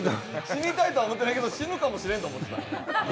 死にたいとは思ってないけど死ぬかもしれないとは思ってた？